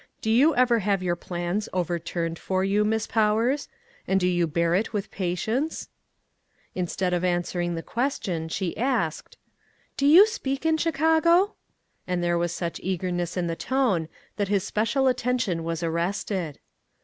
Do you ever have your plans overturned for you, Miss Powers, and do you bear it with pa tience ?" Instead of answering the question, she asked :" Do you speak in Chicago ?" and there was such eagerness in the tone, that his special attention was arrested.